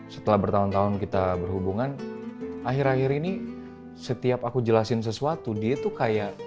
setelah bertahun tahun kita berhubungan akhir akhir ini setiap aku jelasin sesuatu dia tuh kayak